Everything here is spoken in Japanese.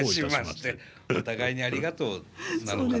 お互いにありがとうなのかな。